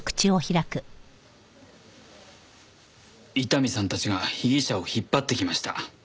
伊丹さんたちが被疑者を引っ張ってきました。